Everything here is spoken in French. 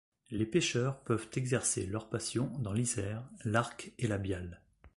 Les pécheurs peuvent exercer leur passion dans l’Isère, l’Arc et la Bialle.